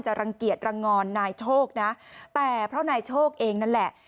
รังเกียจรังงอนนายโชคนะแต่เพราะนายโชคเองนั่นแหละ